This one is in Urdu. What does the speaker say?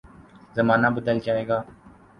زمانہ بدل جائے گا۔